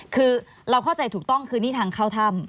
คือเราเข้าใจถูกต้องคือนี่ทางเข้าถ้ำ